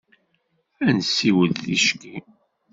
Ad nessiwel ticki.